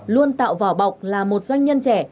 luôn tạo vỏ bọc là một doanh nhân trẻ